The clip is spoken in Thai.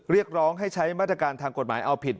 เรียกร้องให้ใช้มาตรการทางกฎหมายเอาผิด